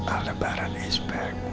al lebaran is back